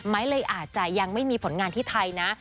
เลยอาจจะยังไม่มีผลงานที่ไทยนะ